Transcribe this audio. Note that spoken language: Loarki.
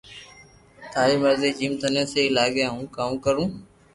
ٿاري مرزي جيم ٿني سھي لاگي ھون ڪاو ڪرو